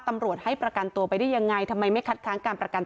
ตำรวจให้ประกันตัวไปได้ยังไงทำไมไม่คัดค้างการประกัน